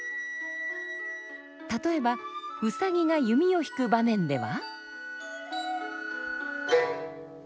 例えば兎が弓を引く場面では。